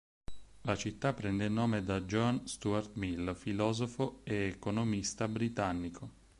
La città prende il nome da John Stuart Mill, filosofo e economista britannico.